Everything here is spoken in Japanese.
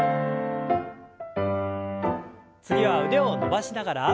次は腕を伸ばしながら。